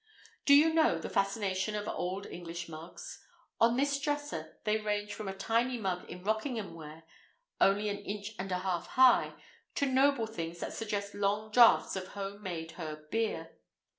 Do you know the fascination of old English mugs? On this dresser they range from a tiny mug in Rockingham ware, only an inch and a half high, to noble things that suggest long draughts of home made herb beer!